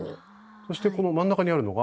そしてこの真ん中にあるのが？